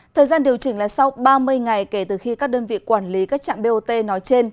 thời gian điều chỉnh là sau ba mươi ngày kể từ khi các đơn vị quản lý các trạm bot nói trên